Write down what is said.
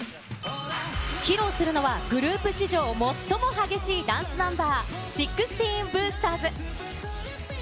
披露するのは、グループ史上最も激しいダンスナンバー、１６ＢＯＯＳＴＥＲＺ。